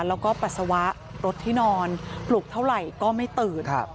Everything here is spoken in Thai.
แล้วก็ปัสสาวะรถที่นอนปลุกเท่าไหร่ก็ไม่ตื่น